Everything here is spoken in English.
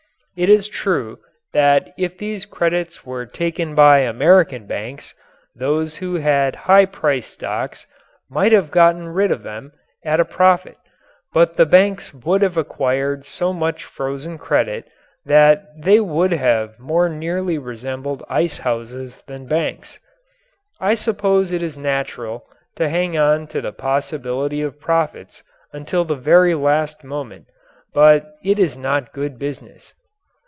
It is true that if these credits were taken by American banks, those who had high priced stocks might have gotten rid of them at a profit, but the banks would have acquired so much frozen credit that they would have more nearly resembled ice houses than banks. I suppose it is natural to hang on to the possibility of profits until the very last moment, but it is not good business.